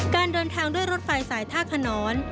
การเดินทางด้วยรถไฟสายท่าขนอน